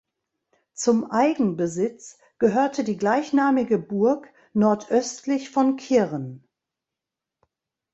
Zum Eigenbesitz gehörte die gleichnamige Burg nordöstlich von Kirn.